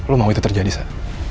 lo mau itu terjadi saya